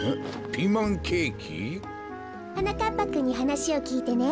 ピーマンケーキ？はなかっぱくんにはなしをきいてね